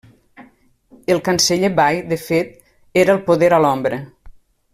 El canceller Bay, de fet, era el poder a l'ombra.